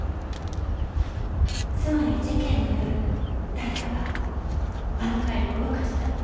つまり事件の夜誰かがあのカエルを動かした。